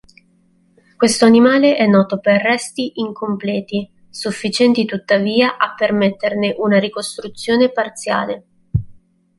Questo animale è noto per resti incompleti, sufficienti tuttavia a permetterne una ricostruzione parziale.